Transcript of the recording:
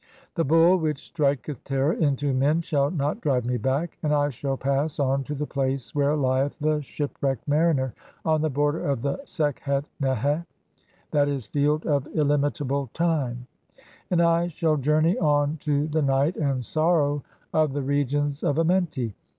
"The bull which striketh terror [into men] shall not drive me "back, and I shall pass on to the place where lieth the ship "wrecked mariner on the border of the Sekhet neheh (/. e., Field "of illimitable time), (3o) and I shall journey on to the night and "sorrow of the regions of Amenti.